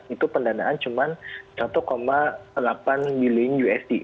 itu pendanaan cuma satu delapan billion usd